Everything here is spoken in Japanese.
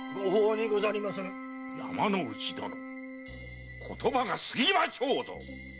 山之内殿言葉が過ぎましょうぞ！